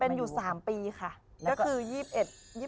เป็นอยู่๓ปีค่ะก็คือ